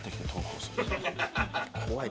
怖い。